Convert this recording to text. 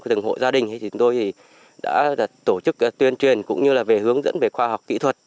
từng hội gia đình chúng tôi đã tổ chức tuyên truyền cũng như hướng dẫn về khoa học kỹ thuật